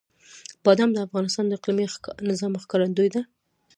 بادام د افغانستان د اقلیمي نظام ښکارندوی ده.